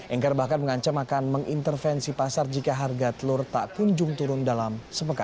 enggar bahkan mengancam akan mengintervensi pasar jika harga telur tak kunjung turun dalam sepekan